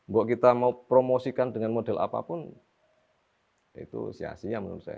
buat kita mau promosikan dengan model apapun itu sia sia menurut saya